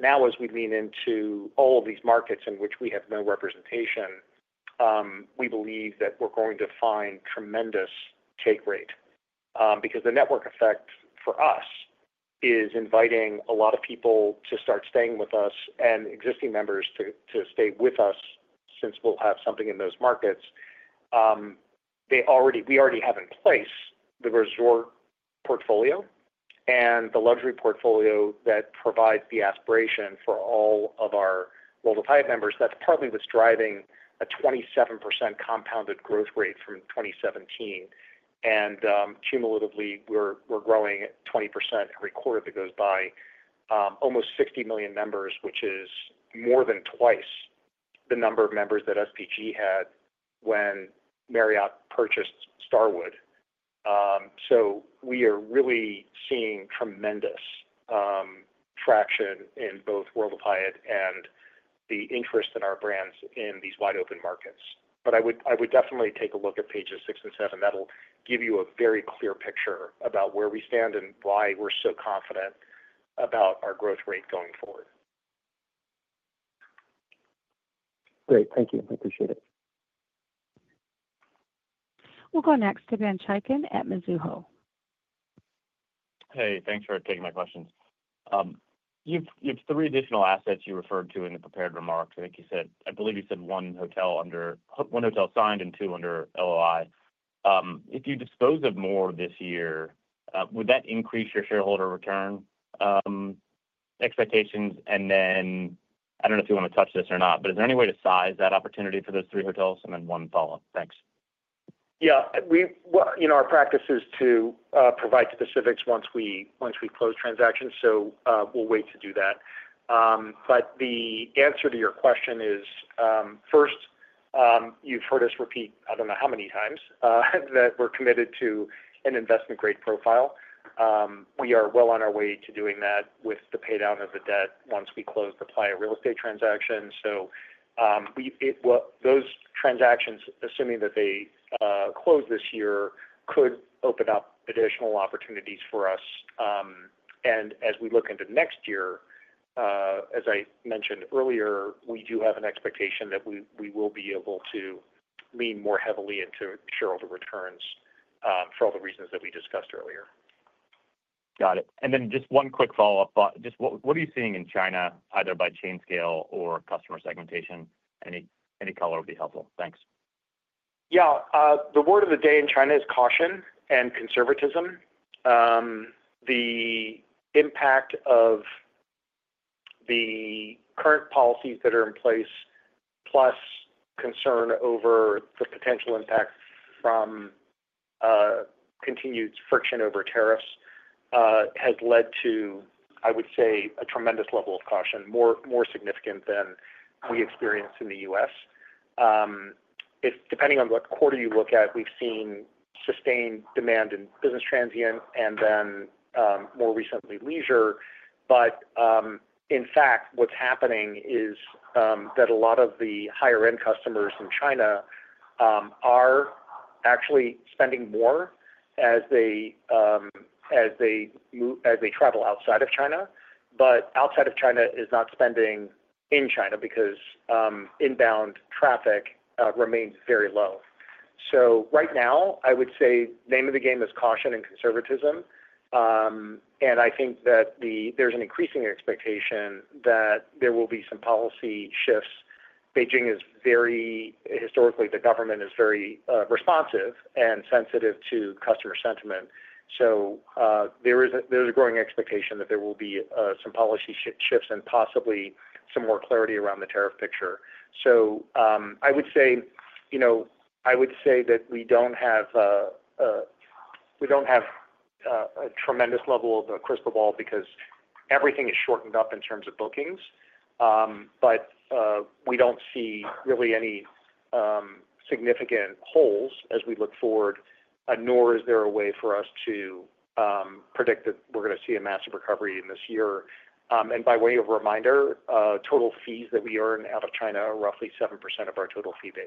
Now, as we lean into all of these markets in which we have no representation, we believe that we're going to find tremendous take rate because the network effect for us is inviting a lot of people to start staying with us and existing members to stay with us since we'll have something in those markets. We already have in place the resort portfolio and the luxury portfolio that provides the aspiration for all of our World of Hyatt members. That's probably what's driving a 27% compounded growth rate from 2017. Cumulatively, we're growing at 20% every quarter that goes by. Almost 60 million members, which is more than twice the number of members that Starwood had when Marriott purchased Starwood. We are really seeing tremendous traction in both World of Hyatt and the interest in our brands in these wide-open markets. I would definitely take a look at pages six and seven. That'll give you a very clear picture about where we stand and why we're so confident about our growth rate going forward. Great, thank you. I appreciate it. We'll go next to Ben Chaiken at Mizuho. Hey, thanks for taking my questions. You have three additional assets you referred to in the prepared remarks. I think you said, I believe you said one hotel under one signed and two under LOI. If you dispose of more this year, would that increase your shareholder return expectations? I don't know if you want to touch this or not, but is there any way to size that opportunity for those three hotels? One follow-up. Thanks. Our practice is to provide to the civics once we close transactions. We will wait to do that. The answer to your question is, first, you've heard us repeat, I don't know how many times, that we're committed to an investment-grade profile. We are well on our way to doing that with the pay down of the debt once we close the Playa real estate transaction. Those transactions, assuming that they close this year, could open up additional opportunities for us. As we look into next year, as I mentioned earlier, we do have an expectation that we will be able to lean more heavily into shareholder returns for all the reasons that we discussed earlier. Got it. Just one quick follow-up. What are you seeing in China, either by chain scale or customer segmentation? Any color would be helpful. Thanks. Yeah. The word of the day in China is caution and conservatism. The impact of the current policies that are in place, plus concern over the potential impact from continued friction over tariffs, has led to, I would say, a tremendous level of caution, more significant than we experienced in the U.S. Depending on what quarter you look at, we've seen sustained demand in business transient and then more recently leisure. In fact, what's happening is that a lot of the higher-end customers in China are actually spending more as they travel outside of China. Outside of China is not spending in China because inbound traffic remains very low. Right now, I would say the name of the game is caution and conservatism. I think that there's an increasing expectation that there will be some policy shifts. Beijing is very, historically, the government is very responsive and sensitive to customer sentiment. There is a growing expectation that there will be some policy shifts and possibly some more clarity around the tariff picture. I would say that we don't have a tremendous level of a crystal ball because everything is shortened up in terms of bookings. We don't see really any significant holes as we look forward, nor is there a way for us to predict that we're going to see a massive recovery in this year. By way of reminder, total fees that we earn out of China are roughly 7% of our total fee base.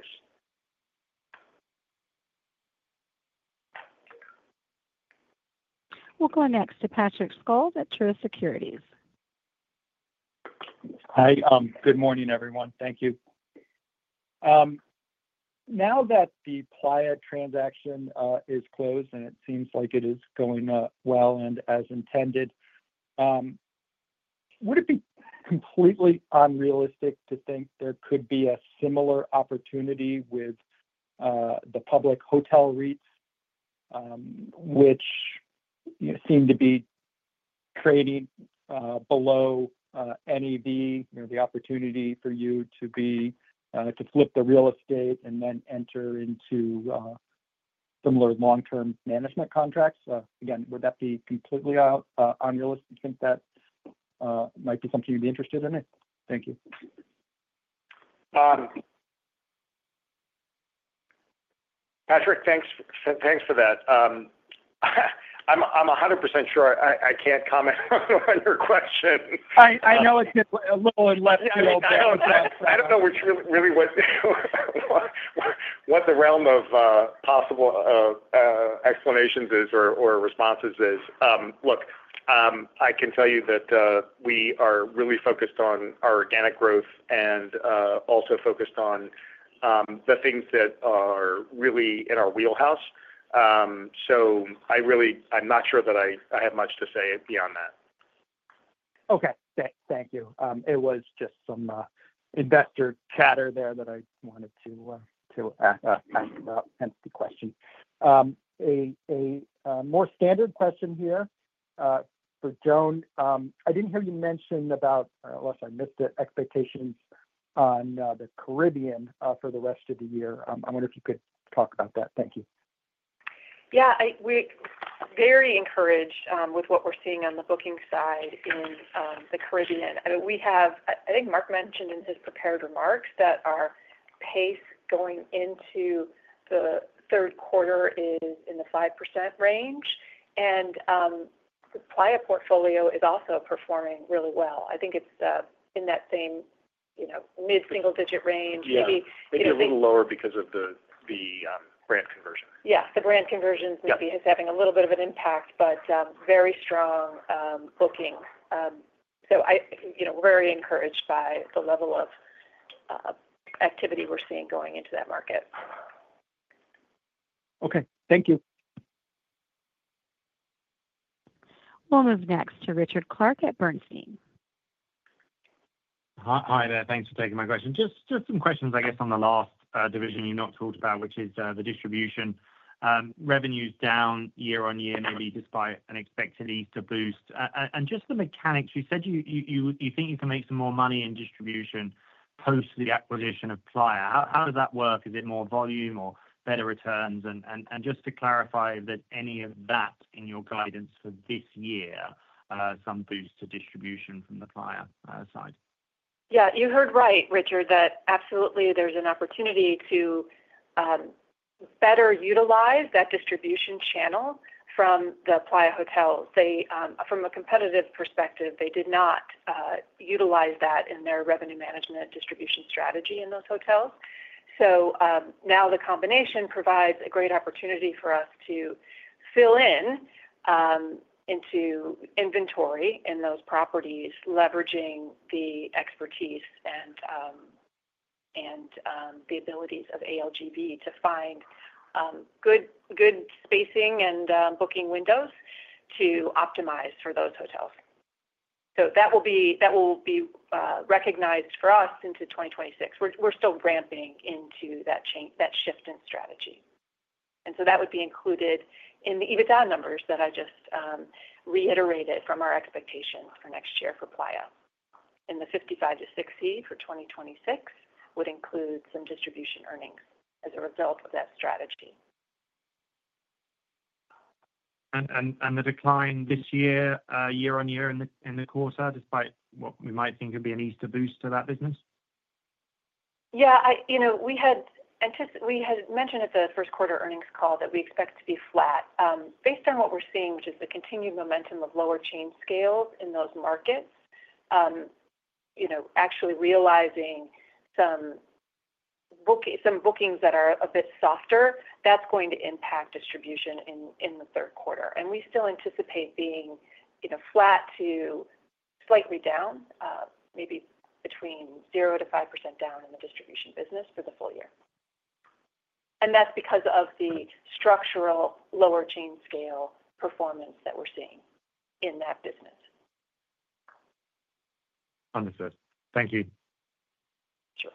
We'll go next to Patrick Scholes at Truist Securities. Hi. Good morning, everyone. Thank you. Now that the Playa transaction is closed and it seems like it is going well and as intended, would it be completely unrealistic to think there could be a similar opportunity with the public hotel REIT, which seemed to be trading below NAV, you know, the opportunity for you to be to flip the real estate and then enter into similar long-term management contracts? Again, would that be completely unrealistic to think that might be something you'd be interested in? Thank you. Patrick, thanks for that. I'm 100% sure I can't comment on your question. I know it's a little less. I don't know what the realm of possible explanations is or responses is. Look, I can tell you that we are really focused on our organic growth and also focused on the things that are really in our wheelhouse. I'm not sure that I have much to say beyond that. Okay. Thank you. There was just some investor chatter that I wanted to ask about and the question. A more standard question here for Joan. I didn't hear you mention, unless I missed it, expectations on the Caribbean for the rest of the year. I wonder if you could talk about that. Thank you. Yeah. We're very encouraged with what we're seeing on the booking side in the Caribbean. I mean, we have, I think Mark mentioned in his prepared remarks that our pace going into the third quarter is in the 5% range. The Playa portfolio is also performing really well. I think it's in that same, you know, mid-single-digit range. Yeah, maybe a little lower because of the brand conversion. The brand conversions may be having a little bit of an impact, but very strong booking. We’re very encouraged by the level of activity we’re seeing going into that market. Okay, thank you. We'll move next to Richard Clarke at Bernstein. Hi, there. Thanks for taking my question. Just some questions, I guess, on the last division you have not talked about, which is the distribution. Revenue is down year on year, nearly despite an expected Easter boost. Just the mechanics, you said you think you can make some more money in distribution post the acquisition of Playa. How does that work? Is it more volume or better returns? Just to clarify, is any of that in your guidance for this year, some boost to distribution from the Playa side? Yeah. You heard right, Richard, that absolutely there's an opportunity to better utilize that distribution channel from the Playa Hotels & Resorts. From a competitive perspective, they did not utilize that in their revenue management distribution strategy in those hotels. The combination provides a great opportunity for us to fill in inventory in those properties, leveraging the expertise and the abilities of ALG to find good spacing and booking windows to optimize for those hotels. That will be recognized for us into 2026. We're still ramping into that shift in strategy. That would be included in the EBITDA numbers that I just reiterated from our expectations for next year for Playa. The $55 to $60 million for 2026 would include some distribution earnings as a result of that strategy. Is the decline this year, year on year in the quarter, despite what we might think would be an Easter boost to that business? Yeah. We had mentioned at the first quarter earnings call that we expect to be flat. Based on what we're seeing, which is the continued momentum of lower chain scales in those markets, actually realizing some bookings that are a bit softer, that's going to impact distribution in the third quarter. We still anticipate being flat to slightly down, maybe between 0%-5% down in the distribution business for the full year. That's because of the structural lower chain scale performance that we're seeing in that business. Understood. Thank you. Sure.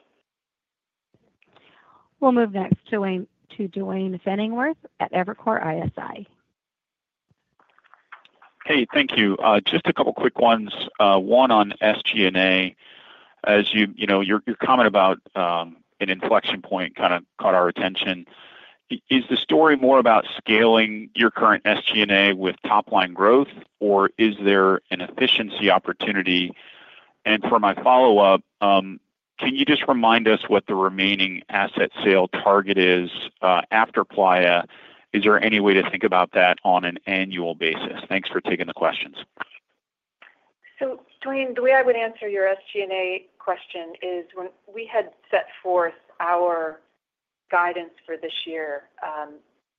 We'll move next to Duane Pfennigwerth at Evercore ISI. Thank you. Just a couple of quick ones. One on SG&A. Your comment about an inflection point kind of caught our attention. Is the story more about scaling your current SG&A with top-line growth, or is there an efficiency opportunity? For my follow-up, can you just remind us what the remaining asset sale target is after Playa? Is there any way to think about that on an annual basis? Thanks for taking the questions. Duane, the way I would answer your SG&A question is when we had set forth our guidance for this year,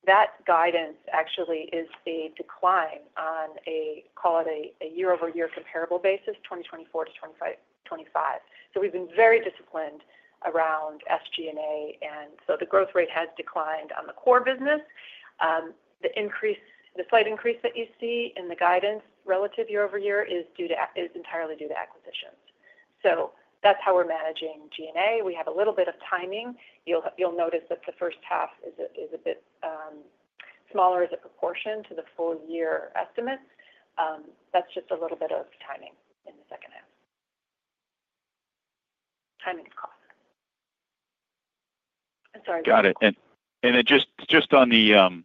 that guidance actually is a decline on a, call it a year-over-year comparable basis, 2024 to 2025. We have been very disciplined around SG&A, and the growth rate has declined on the core business. The slight increase that you see in the guidance relative year-over-year is entirely due to acquisitions. That is how we're managing G&A. We have a little bit of timing. You'll notice that the first half is a bit smaller as a proportion to the full-year estimates. That is just a little bit of timing in the second half. Timing is cost. Got it. On the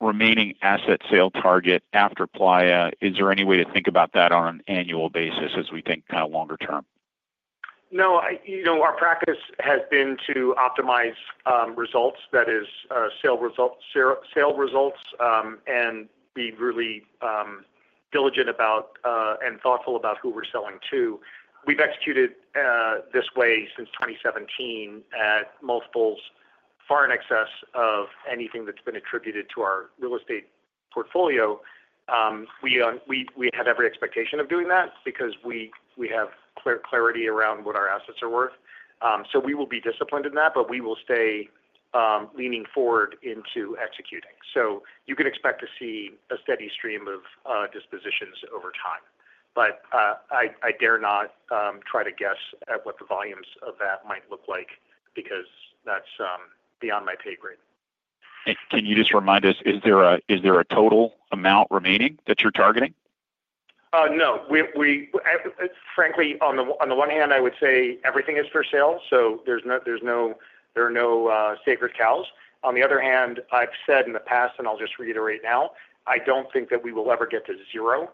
remaining asset sale target after Playa, is there any way to think about that on an annual basis as we think kind of longer term? No. Our practice has been to optimize results, that is, sale results, and be really diligent and thoughtful about who we're selling to. We've executed this way since 2017 at multiples far in excess of anything that's been attributed to our real estate portfolio. We have every expectation of doing that because we have clear clarity around what our assets are worth. We will be disciplined in that, but we will stay leaning forward into executing. You can expect to see a steady stream of dispositions over time. I dare not try to guess at what the volumes of that might look like because that's beyond my pay grade. Can you just remind us, is there a total amount remaining that you're targeting? No. Frankly, on the one hand, I would say everything is for sale. There are no sacred cows. On the other hand, I've said in the past, and I'll just reiterate now, I don't think that we will ever get to zero.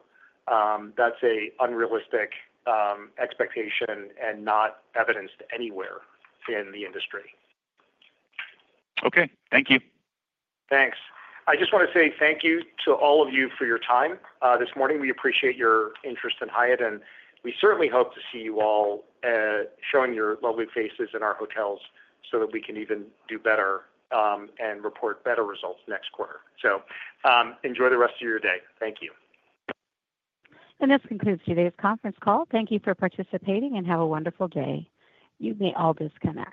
That's an unrealistic expectation and not evidenced anywhere in the industry. Okay, thank you. Thanks. I just want to say thank you to all of you for your time this morning. We appreciate your interest in Hyatt, and we certainly hope to see you all showing your lovely faces in our hotels so that we can even do better and report better results next quarter. Enjoy the rest of your day. Thank you. This concludes today's conference call. Thank you for participating and have a wonderful day. You may all disconnect.